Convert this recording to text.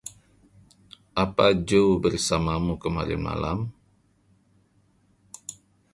Apa Joe bersamamu kemarin malam?